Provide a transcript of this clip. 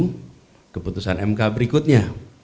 kita menunggu keputusan mk berikutnya